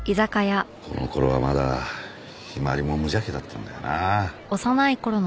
この頃はまだ陽葵も無邪気だったんだよなあ。